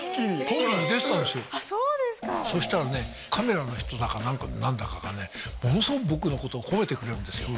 そうですかそしたらねカメラの人だか何だかがねものすごく僕のこと褒めてくれるんですよ